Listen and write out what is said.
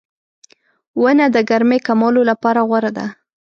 • ونه د ګرمۍ کمولو لپاره غوره ده.